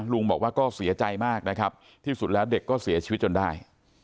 ลุงบอกว่าก็เสียใจมากนะครับที่สุดแล้วเด็กก็เสียชีวิตจนได้